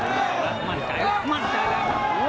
มั่นใจแล้วมั่นใจแล้ว